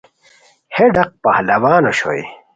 ہے ڈاق پہلوان اوشوئے